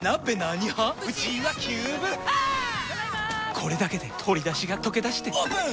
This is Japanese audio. これだけで鶏だしがとけだしてオープン！